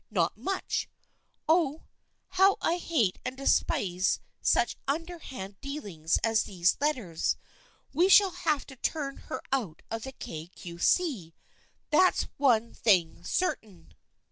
Not much ! Oh ! How I hate and despise such underhand dealings as these let ters ! We shall have to turn her out of the Kay Cue See. That's one thing certain."